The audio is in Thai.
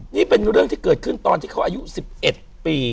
นี่เป็นเรื่องที่เกิดขึ้นตอนที่เขาอายุ๑๑ปี